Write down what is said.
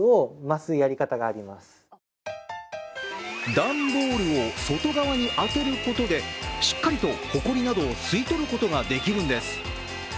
段ボールを外側に当てることでしっかりとほこりなどを吸い取ることができるんです。